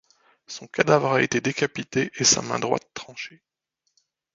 Son cadavre a été décapité et sa main droite tranchée.